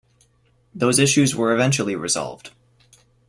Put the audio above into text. Those issues were eventually resolved.